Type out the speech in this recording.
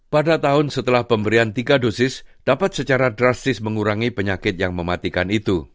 pada tahun setelah pemberian tiga dosis dapat secara drastis mengurangi penyakit yang mematikan itu